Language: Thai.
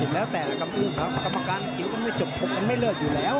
๑๐แล้ว๘อักกำลังต่อพระมการคิ้วก็ไม่จบพบกันไม่เลือกอยู่แล้ว